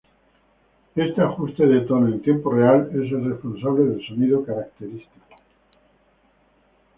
Este ajuste de tono en tiempo real es el responsable del sonido característico.